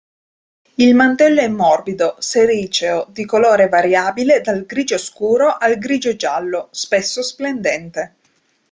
Il mantello è morbido, sericeo, di colore variabile dal grigio-scuro al grigio-giallo, spesso splendente.